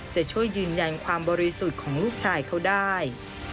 จะช่วยยืนยันความบริสุทธิ์ของลูกชายเขาได้